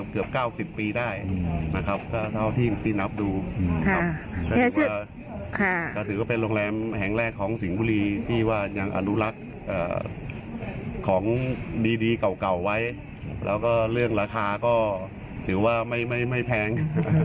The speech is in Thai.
เก่าไว้แล้วก็เรื่องราคาก็ถือว่าไม่แพง